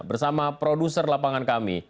bersama produser lapangan kami